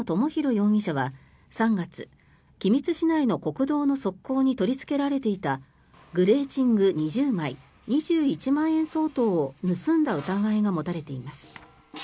容疑者は３月、君津市内の国道の側溝に取りつけられていたグレーチング２０枚２１万円相当を盗んだ疑いが持たれています。